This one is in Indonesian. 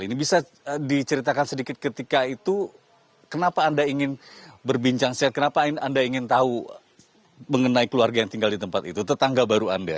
ini bisa diceritakan sedikit ketika itu kenapa anda ingin berbincang sehat kenapa anda ingin tahu mengenai keluarga yang tinggal di tempat itu tetangga baru anda